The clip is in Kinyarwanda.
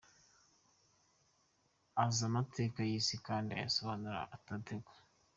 Azi amateka y’isi kandi ayasobanura adategwa.